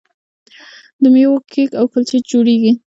د میوو کیک او کلچې جوړیږي.